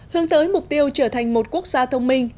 hướng tới mục tiêu trở thành một quốc gia thông minh